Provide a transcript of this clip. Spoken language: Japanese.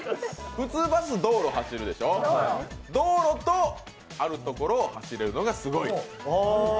普通、バスは道路を走るでしょう、道路とあるところを走れるのがすごい。